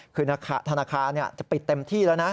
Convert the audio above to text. คือธนาคารจะปิดเต็มที่แล้วนะ